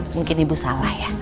mungkin ibu salah ya